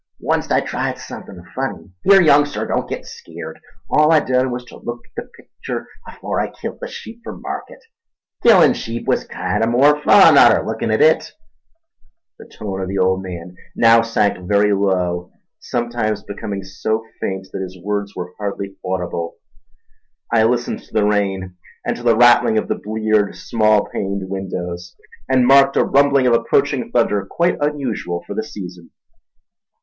Onct I tried suthin' funny—here, young Sir, don't git skeert—all I done was ter look at the picter afore I kilt the sheep for market—killin' sheep was kinder more fun arter lookin' at it—" The tone of the old man now sank very low, sometimes becoming so faint that his words were hardly audible. I listened to the rain, and to the rattling of the bleared, small paned windows, and marked a rumbling of approaching thunder quite unusual for the season.